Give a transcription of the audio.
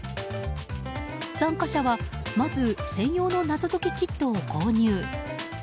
参加者は、まず専用の謎解きキットを購入。